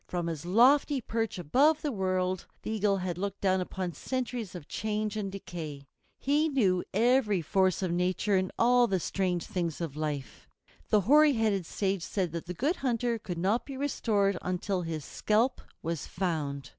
From his lofty perch above the world the Eagle had looked down upon centuries of change and decay. He knew every force of nature and all the strange things of life. The hoary headed sage said that the Good Hunter could not be restored until his scalp was found.